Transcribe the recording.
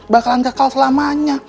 bakalan kekal selamanya